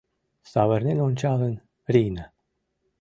Савырнен ончалын — Рина!